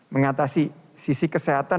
mengatasi sisi kesehatan